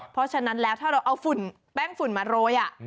เพราะฉะนั้นแล้วถ้าเราเอาฝุ่นแป้งฝุ่นมาโรย